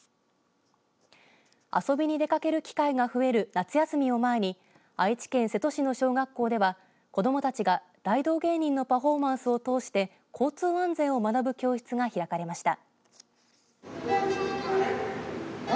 遊びに出掛ける機会が増える夏休みを前に愛知県瀬戸市の小学校では子どもたちが大道芸人のパフォーマンスを通して交通安全を学ぶ教室が開かれました。